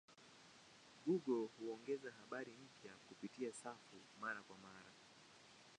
Google huongeza habari mpya kupitia safu mara kwa mara.